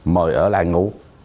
mời ở lại ngủ